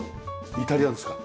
イタリアですか？